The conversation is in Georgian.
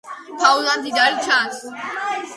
ფაუნა მდიდარი ჩანს.